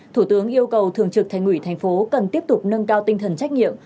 thủ tướng yêu cầu thường trực thành ủy thành phố cần tiếp tục nâng cao tinh thần trách nhiệm